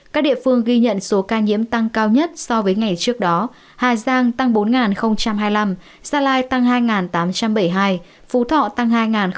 các địa phương ghi nhận số ca nhiễm tăng cao nhất so với ngày trước đó hà giang tăng bốn hai mươi năm gia lai tăng hai tám trăm bảy mươi hai phú thọ tăng hai ba